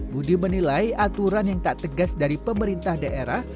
budi menilai aturan yang tak tegas dari pemerintah daerah